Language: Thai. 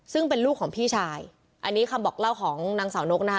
ซึ่งเป็นลูกของพี่ชายอันนี้คำบอกเล่าของนางสาวนกนะคะ